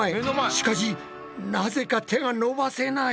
しかしなぜか手が伸ばせない。